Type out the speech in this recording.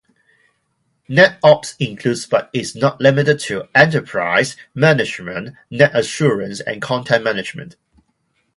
NetOps includes, but is not limited to, enterprise management, net assurance, and content management.